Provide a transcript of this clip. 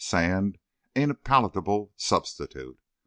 Sand ain't a palatable substitute.